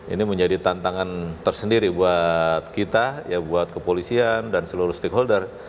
ini menjadi tantangan tersendiri buat kita ya buat kepolisian dan seluruh stakeholder